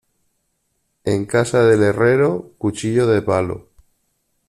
En casa del herrero, cuchillo de palo.